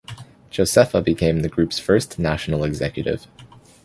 Josefa became the group's first National Executive.